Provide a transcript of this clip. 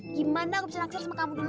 gimana aku bisa naksir sama kamu dulu